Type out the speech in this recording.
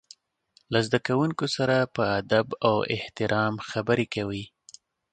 له زده کوونکو سره په ادب او احترام خبرې کوي.